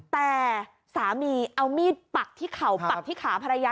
แต่สามีเอามีดปักที่เข่าปักที่ขาภรรยา